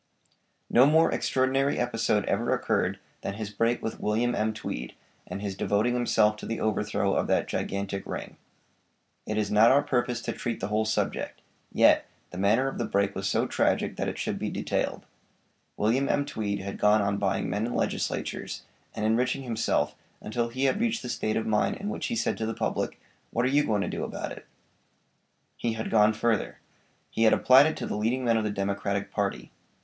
No more extraordinary episode ever occurred than his break with William M. Tweed, and his devoting himself to the overthrow of that gigantic ring. It is not our purpose to treat the whole subject; yet, the manner of the break was so tragic that it should be detailed. William M. Tweed had gone on buying men and legislatures, and enriching himself until he had reached the state of mind in which he said to the public, "What are you going to do about it?" He had gone further. He had applied it to the leading men of the Democratic party.